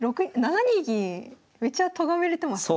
７二銀めっちゃとがめれてますね。